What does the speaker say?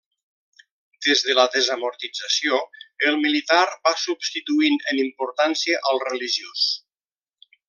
Des de la Desamortització, el militar va substituint en importància al religiós.